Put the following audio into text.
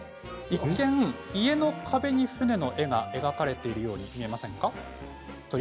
一見家の壁に船が描かれているように見えませんか。